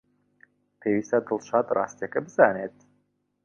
پێویستە دڵشاد ڕاستییەکە بزانێت.